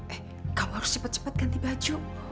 eh kau harus cepat cepat ganti baju